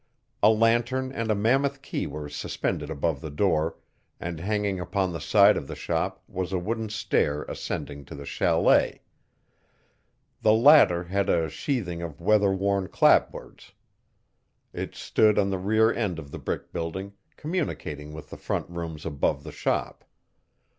A lantern and a mammoth key were suspended above the door and hanging upon the side of the shop was a wooden stair ascending to the chalet The latter had a sheathing of weather worn clapboards. It stood on the rear end of the brick building, communicating with the front rooms above the shop.